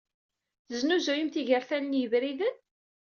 Tesnuzuyem tigertal n yebriden?